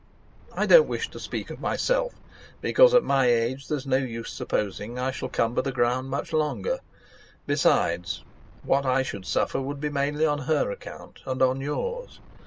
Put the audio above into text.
I don't wish to speak of myself, because at my age there's no use supposing I shall cumber the ground much longer, besides, what I should suffer would be mainly on her account, and on yours.